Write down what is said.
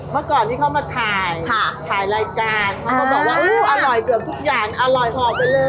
เมื่อก่อนที่เขามาถ่ายถ่ายรายการเขาก็บอกว่าอร่อยเกือบทุกอย่างอร่อยหอบไปเลย